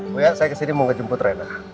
buya saya kesini mau ngejemput reina